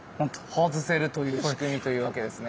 外せるという仕組みというわけですね。